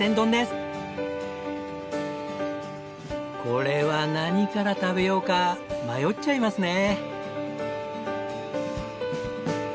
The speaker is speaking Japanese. これは何から食べようか迷っちゃいますね。